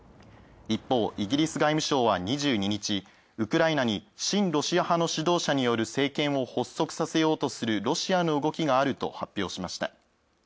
一方、イギリス外務省は２２日、ウクライナに新ロシア派の指導者による政権を発足させようとするロシアの動きがあると発表しました。